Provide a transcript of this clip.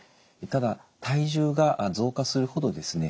ただ体重が増加するほどですね